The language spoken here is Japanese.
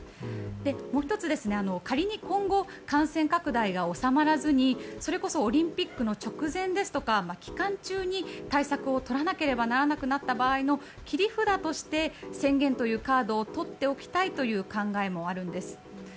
もう１つ、仮に今後、感染拡大が収まらずにオリンピックの直前や、期間中に対策をとらなければならなくなった場合の切り札として宣言というカードをとっておきたいという考えもあるんです。